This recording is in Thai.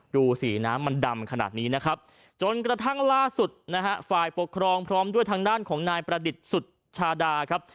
ดูสีน้ำมันดำขนาดนี้นะครับจนกระทั่งล่าสุดนะฮะฝ่ายปกครองพร้อมด้วยทางด้านของนายประดิษฐ์สุชาดาครับ